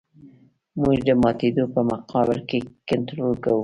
موږ د ماتېدو په مقابل کې کنټرول کوو